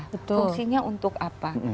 fungsinya untuk apa